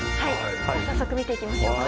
早速見ていきましょうか。